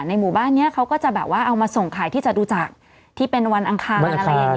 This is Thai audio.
หมู่บ้านนี้เขาก็จะแบบว่าเอามาส่งขายที่จตุจักรที่เป็นวันอังคารอะไรอย่างนี้